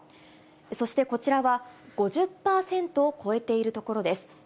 そして、こちらは５０％を超えている所です。